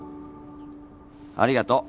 ありがとう。